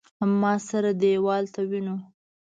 ما سره دېوال ته ونیو.